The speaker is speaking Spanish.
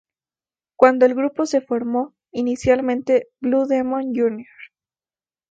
Cuando el grupo se formó inicialmente, Blue Demon Jr.